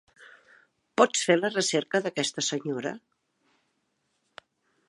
Pots fer la recerca d'aquesta senyora?